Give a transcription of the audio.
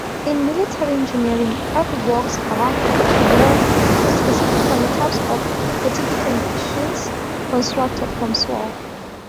In military engineering, earthworks are, more specifically, types of fortifications constructed from soil.